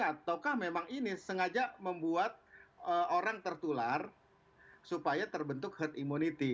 ataukah memang ini sengaja membuat orang tertular supaya terbentuk herd immunity